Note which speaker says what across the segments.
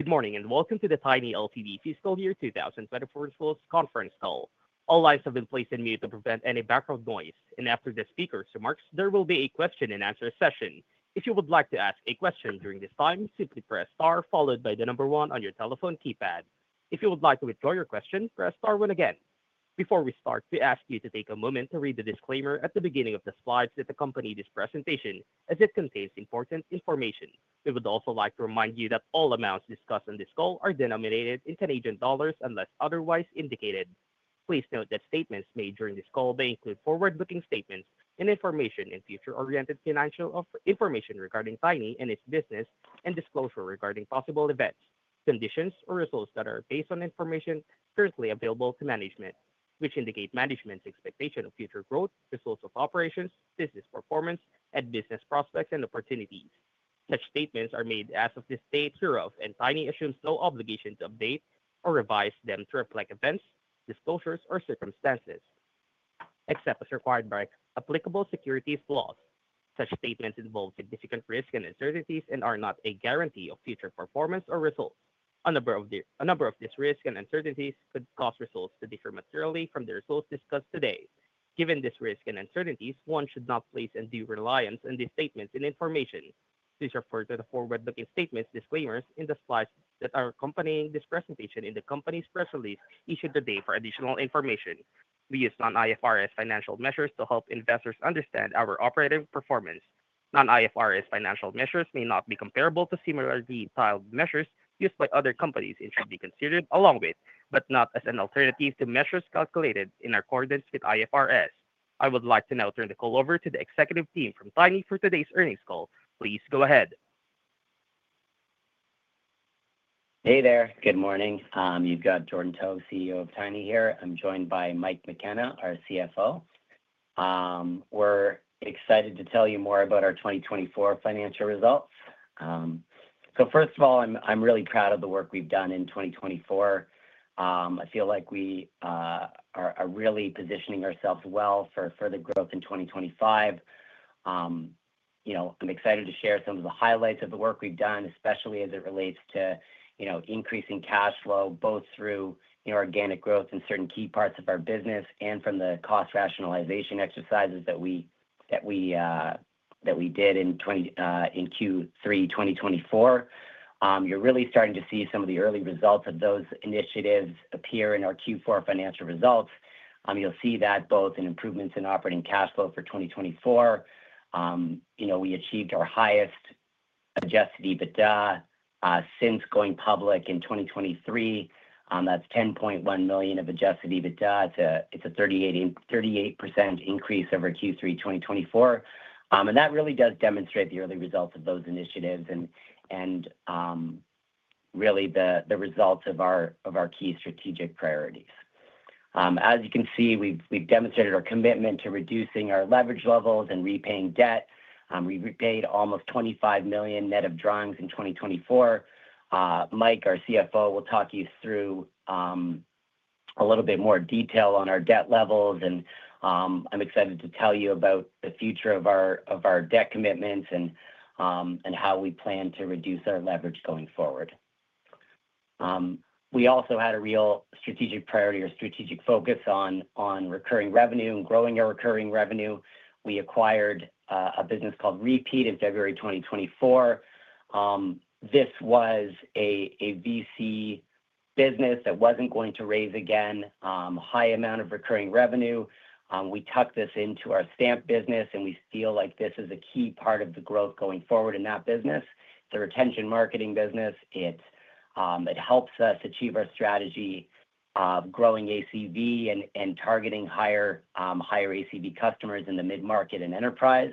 Speaker 1: Good morning, and welcome to the Tiny Ltd. fiscal year 2024 financial results conference call. All lines have been placed on mute to prevent any background noise, and after the speaker's remarks, there will be a question-and-answer session. If you would like to ask a question during this time, simply press star followed by the number one on your telephone keypad. If you would like to withdraw your question, press star one again. Before we start, we ask you to take a moment to read the disclaimer at the beginning of the slides that accompany this presentation, as it contains important information. We would also like to remind you that all amounts discussed on this call are denominated in CAD unless otherwise indicated. Please note that statements made during this call may include forward-looking statements and information and future-oriented financial information regarding Tiny and its business, and disclosure regarding possible events, conditions, or results that are based on information currently available to management, which indicate management's expectation of future growth, results of operations, business performance, and business prospects and opportunities. Such statements are made as of this date, and Tiny assumes no obligation to update or revise them to reflect events, disclosures, or circumstances, except as required by applicable securities laws. Such statements involve significant risk and uncertainties and are not a guarantee of future performance or results. A number of these risks and uncertainties could cause results to differ materially from the results discussed today. Given these risks and uncertainties, one should not place any reliance on these statements and information. Please refer to the forward-looking statements disclaimers in the slides that are accompanying this presentation in the company's press release issued today for additional information. We use non-IFRS financial measures to help investors understand our operating performance. Non-IFRS financial measures may not be comparable to similarly detailed measures used by other companies and should be considered along with, but not as an alternative to, measures calculated in accordance with IFRS. I would like to now turn the call over to the executive team from Tiny for today's earnings call. Please go ahead.
Speaker 2: Hey there. Good morning. You've got Jordan Taub, CEO of Tiny here. I'm joined by Mike McKenna, our CFO. We're excited to tell you more about our 2024 financial results. First of all, I'm really proud of the work we've done in 2024. I feel like we are really positioning ourselves well for further growth in 2025. I'm excited to share some of the highlights of the work we've done, especially as it relates to increasing cash flow, both through organic growth in certain key parts of our business and from the cost rationalization exercises that we did in Q3 2024. You're really starting to see some of the early results of those initiatives appear in our Q4 financial results. You'll see that both in improvements in operating cash flow for 2024. We achieved our highest Adjusted EBITDA since going public in 2023. That's 10.1 million of Adjusted EBITDA. It's a 38% increase over Q3 2024. That really does demonstrate the early results of those initiatives and really the results of our key strategic priorities. As you can see, we've demonstrated our commitment to reducing our leverage levels and repaying debt. We repaid almost 25 million net of drawings in 2024. Mike, our CFO, will talk you through a little bit more detail on our debt levels, and I'm excited to tell you about the future of our debt commitments and how we plan to reduce our leverage going forward. We also had a real strategic priority or strategic focus on recurring revenue and growing our recurring revenue. We acquired a business called Repeat in February 2024. This was a VC business that wasn't going to raise again, a high amount of recurring revenue. We tucked this into our Stamped business, and we feel like this is a key part of the growth going forward in that business. It's a retention marketing business. It helps us achieve our strategy of growing ACV and targeting higher ACV customers in the mid-market and enterprise.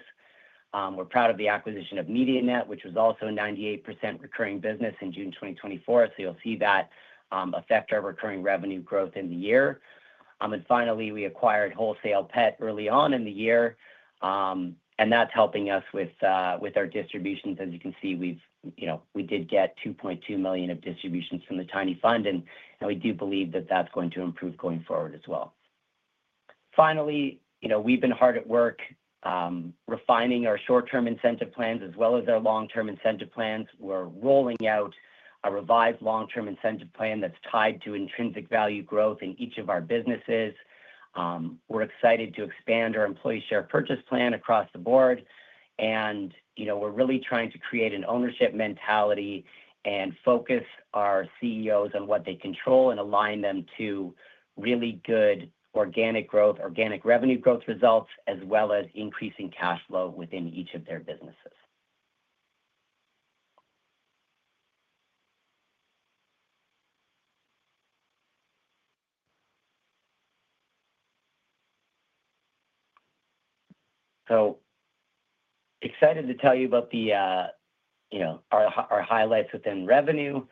Speaker 2: We're proud of the acquisition of MediaNet, which was also a 98% recurring business in June 2024. You will see that affect our recurring revenue growth in the year. Finally, we acquired WholesalePet early on in the year, and that's helping us with our distributions. As you can see, we did get 2.2 million of distributions from the Tiny Fund, and we do believe that that's going to improve going forward as well. Finally, we've been hard at work refining our short-term incentive plans as well as our long-term incentive plans. We're rolling out a revised long-term incentive plan that's tied to intrinsic value growth in each of our businesses. We're excited to expand our employee share purchase plan across the board, and we're really trying to create an ownership mentality and focus our CEOs on what they control and align them to really good organic growth, organic revenue growth results, as well as increasing cash flow within each of their businesses. Excited to tell you about our highlights within revenue.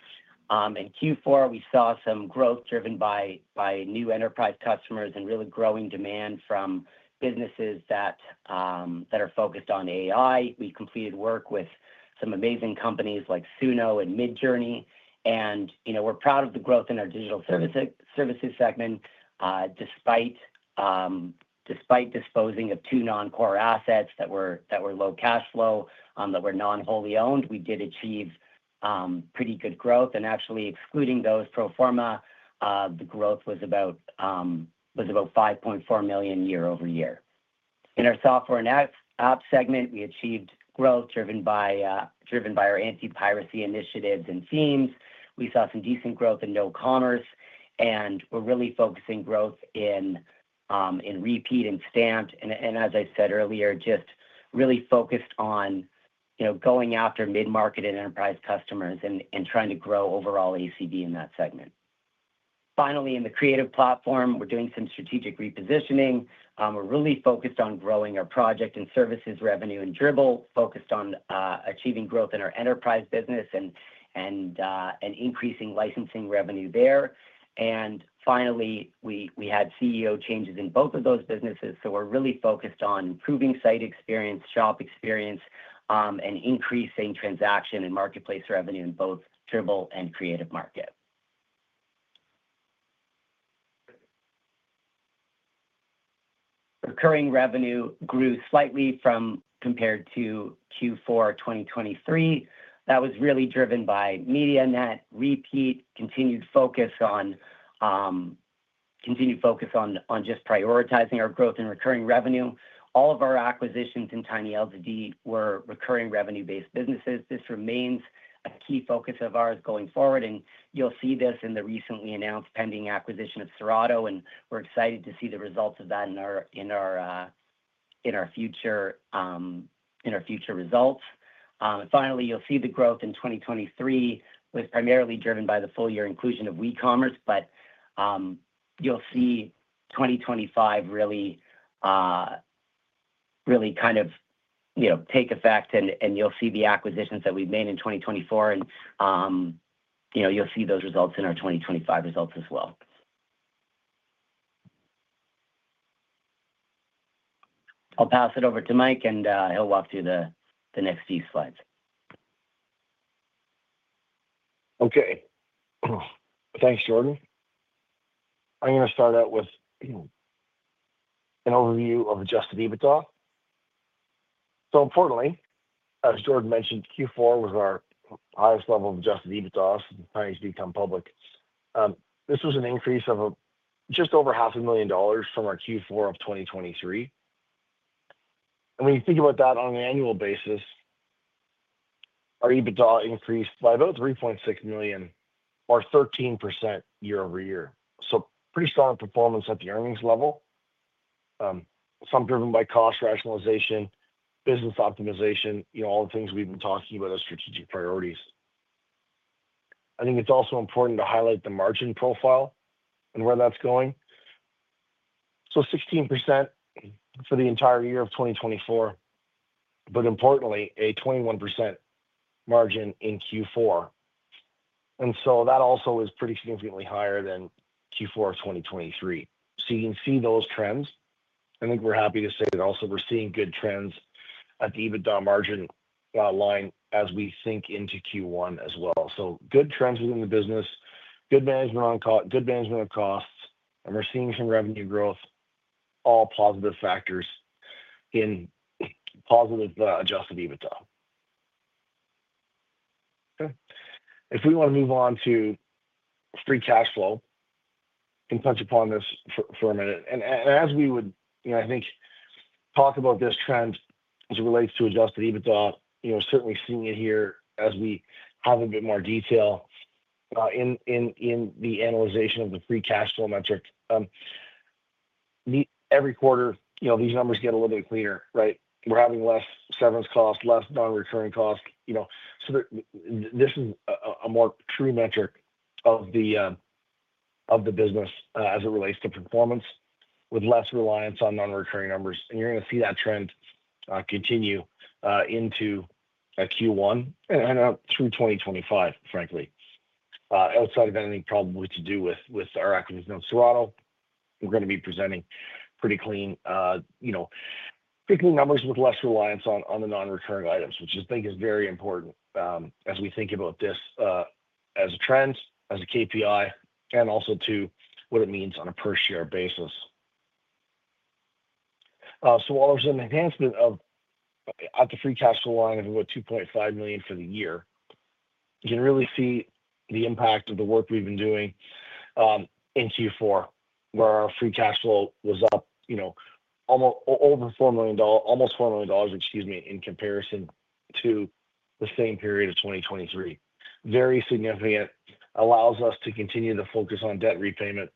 Speaker 2: In Q4, we saw some growth driven by new enterprise customers and a really growing demand from businesses that are focused on AI. We completed work with some amazing companies like Suno and Midjourney, and we're proud of the growth in our digital services segment. Despite disposing of two non-core assets that were low cash flow, that were non-wholly owned, we did achieve pretty good growth. Actually, excluding those pro forma, the growth was about 5.4 million year-over-year. In our Software and Apps segment, we achieved growth driven by our anti-piracy initiatives and themes. We saw some decent growth in WooCommerce, and we're really focusing on growth in Repeat and Stamped. As I said earlier, just really focused on going after mid-market and enterprise customers and trying to grow overall ACV in that segment. Finally, in the Creative Platform, we're doing some strategic repositioning. We're really focused on growing our project and services revenue in Creative Market, focused on achieving growth in our enterprise business, and increasing licensing revenue there. Finally, we had CEO changes in both of those businesses. We're really focused on improving site experience, shop experience, and increasing transaction and marketplace revenue in both Dribbble and Creative Market. Recurring revenue grew slightly compared to Q4 2023. That was really driven by MediaNet, Repeat, and continued focus on just prioritizing our growth and recurring revenue. All of our acquisitions in Tiny Ltd. were recurring revenue-based businesses. This remains a key focus of ours going forward, and you'll see this in the recently announced pending acquisition of Serato, and we're excited to see the results of that in our future results. Finally, you'll see the growth in 2023 was primarily driven by the full-year inclusion of WooCommerce, but you'll see 2025 really kind of take effect, and you'll see the acquisitions that we've made in 2024, and you'll see those results in our 2025 results as well. I'll pass it over to Mike, and he'll walk through the next few slides.
Speaker 3: Okay. Thanks, Jordan. I'm going to start out with an overview of Adjusted EBITDA. Importantly, as Jordan mentioned, Q4 was our highest level of Adjusted EBITDA since Tiny became public. This was an increase of just over $500,000 from our Q4 of 2023. When you think about that on an annual basis, our EBITDA increased by about $3.6 million, or 13% year-over-year. Pretty strong performance at the earnings level, some driven by cost rationalization, business optimization, all the things we've been talking about as strategic priorities. I think it's also important to highlight the margin profile and where that's going. 16% for the entire year of 2024, but importantly, a 21% margin in Q4. That also is pretty significantly higher than Q4 of 2023. You can see those trends. I think we're happy to say that also we're seeing good trends at the EBITDA margin line as we sink into Q1 as well. Good trends within the business, good management of costs, and we're seeing some revenue growth, all positive factors in positive Adjusted EBITDA. If we want to move on to free cash flow, we can touch upon this for a minute. As we would, I think, talk about this trend as it relates to Adjusted EBITDA, certainly seeing it here as we have a bit more detail in the analyzation of the free cash flow metric. Every quarter, these numbers get a little bit cleaner, right? We're having less severance costs, less non-recurring costs. This is a more true metric of the business as it relates to performance with less reliance on non-recurring numbers. You are going to see that trend continue into Q1 and through 2025, frankly. Outside of anything probably to do with our acquisition of Serato, we are going to be presenting pretty clean numbers with less reliance on the non-recurring items, which I think is very important as we think about this as a trend, as a KPI, and also to what it means on a per-share basis. While there is an enhancement at the free cash flow line of about 2.5 million for the year, you can really see the impact of the work we have been doing in Q4, where our free cash flow was up almost 4 million dollars, excuse me, in comparison to the same period of 2023. Very significant. Allows us to continue to focus on debt repayment,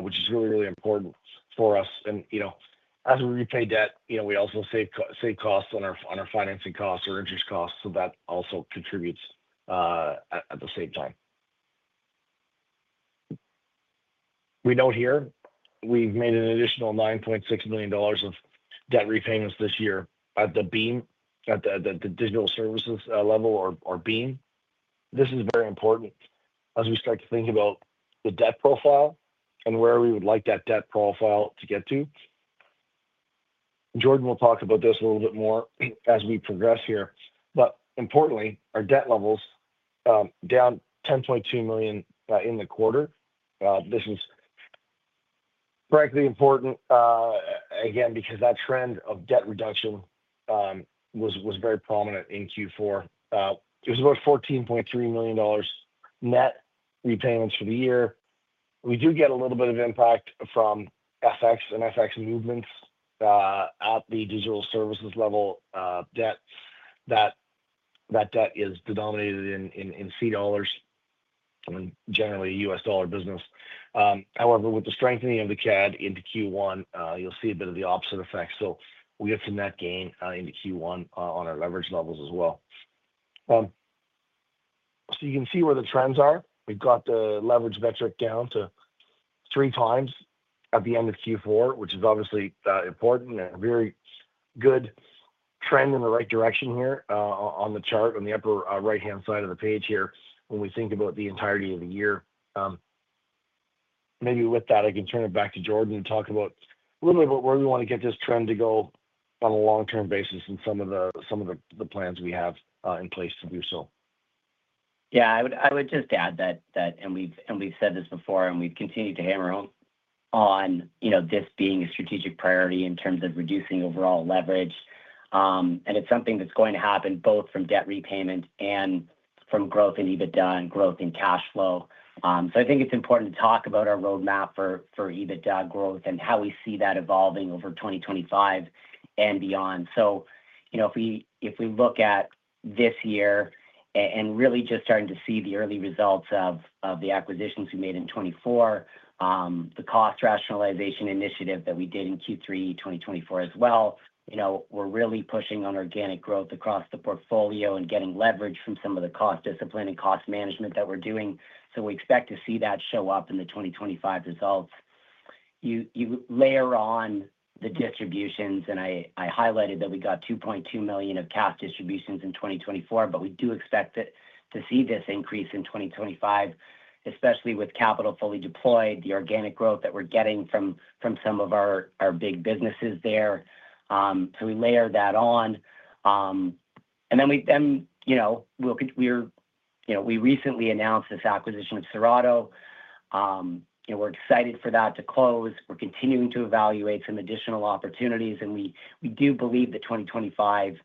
Speaker 3: which is really, really important for us. As we repay debt, we also save costs on our financing costs or interest costs, so that also contributes at the same time. We note here we have made an additional 9.6 million dollars of debt repayments this year at the Digital Services level or BMO. This is very important as we start to think about the debt profile and where we would like that debt profile to get to. Jordan will talk about this a little bit more as we progress here. Importantly, our debt levels are down 10.2 million in the quarter. This is frankly important, again, because that trend of debt reduction was very prominent in Q4. It was about 14.3 million dollars net repayments for the year. We do get a little bit of impact from FX and FX movements at the Digital Services level debt. That debt is denominated in CAD and generally US dollar business. However, with the strengthening of the CAD in Q1, you'll see a bit of the opposite effect. We get some net gain into Q1 on our leverage levels as well. You can see where the trends are. We've got the leverage metric down to three times at the end of Q4, which is obviously important and a very good trend in the right direction here on the chart on the upper right-hand side of the page here when we think about the entirety of the year. Maybe with that, I can turn it back to Jordan to talk about a little bit about where we want to get this trend to go on a long-term basis and some of the plans we have in place to do so.
Speaker 2: Yeah, I would just add that, and we've said this before, we've continued to hammer on this being a strategic priority in terms of reducing overall leverage. It's something that's going to happen both from debt repayment and from growth in EBITDA and growth in cash flow. I think it's important to talk about our roadmap for EBITDA growth and how we see that evolving over 2025 and beyond. If we look at this year and really just starting to see the early results of the acquisitions we made in 2024, the cost rationalization initiative that we did in Q3 2024 as well, we're really pushing on organic growth across the portfolio and getting leverage from some of the cost discipline and cost management that we're doing. We expect to see that show up in the 2025 results. You layer on the distributions, and I highlighted that we got 2.2 million of cash distributions in 2024, but we do expect to see this increase in 2025, especially with capital fully deployed, the organic growth that we're getting from some of our big businesses there. We layer that on. We recently announced the acquisition of Serato. We're excited for that to close. We're continuing to evaluate some additional opportunities, and we do believe that 2025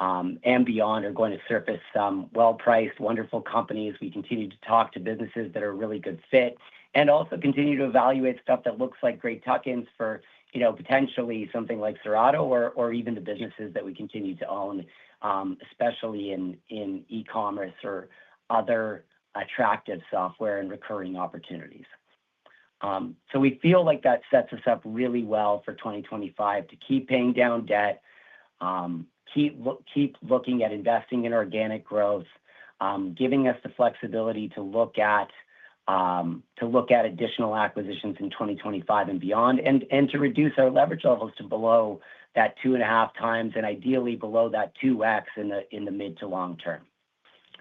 Speaker 2: and beyond are going to surface some well-priced, wonderful companies. We continue to talk to businesses that are a really good fit and also continue to evaluate stuff that looks like great tuck-ins for potentially something like Serato or even the businesses that we continue to own, especially in e-commerce or other attractive software and recurring opportunities. We feel like that sets us up really well for 2025 to keep paying down debt, keep looking at investing in organic growth, giving us the flexibility to look at additional acquisitions in 2025 and beyond, and to reduce our leverage levels to below that two and a half times and ideally below that 2x in the mid to long term.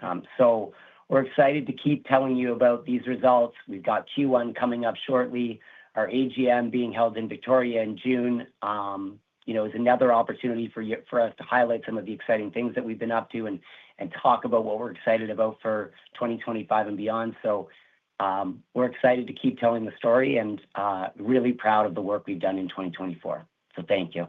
Speaker 2: We are excited to keep telling you about these results. We have Q1 coming up shortly. Our AGM, being held in Victoria in June, is another opportunity for us to highlight some of the exciting things that we have been up to and talk about what we are excited about for 2025 and beyond. We are excited to keep telling the story and are really proud of the work we have done in 2024. Thank you.